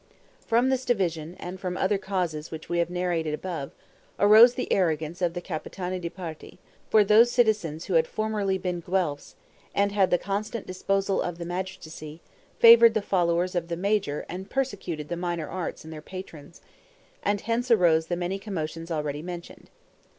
From this division, and from other causes which we have narrated above, arose the arrogance of the Capitani di Parte; for those citizens who had formerly been Guelphs, and had the constant disposal of that magistracy, favored the followers of the major and persecuted the minor arts and their patrons; and hence arose the many commotions already mentioned.